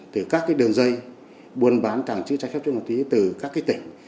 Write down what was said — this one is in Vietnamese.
từ các đường dây buôn bán trái phép chất ma túy từ các tỉnh